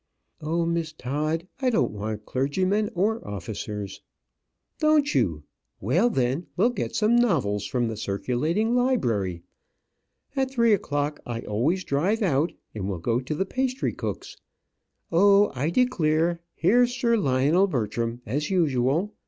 "Oh, Miss Todd, I don't want clergymen or officers." "Don't you? Well then, we'll get some novels from the circulating library. At three o'clock I always drive out, and we'll go to the pastrycook's. Oh, I declare, here's Sir Lionel Bertram, as usual.